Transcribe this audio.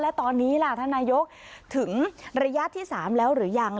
และตอนนี้ล่ะท่านนายกถึงระยะที่๓แล้วหรือยัง